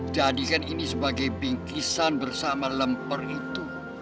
jadikan ini sebagai bingkisan bersama lemper itu